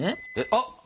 あっ！